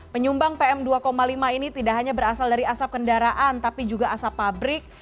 penyumbang pm dua lima ini tidak hanya berasal dari asap kendaraan tapi juga asap pabrik